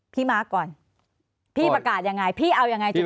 พี่มาร์คก่อนพี่ประกาศยังไงพี่เอายังไงจุดยืน